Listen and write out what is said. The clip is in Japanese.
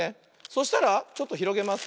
そしたらちょっとひろげます。